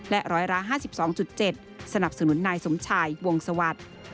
และร้อยละ๕๒๗สนับสนุนนายสมชัยวงศวรรษ